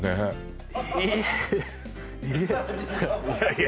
いやいや